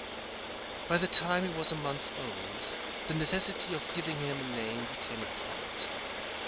By the time he was a month old the necessity of giving him a name became apparent.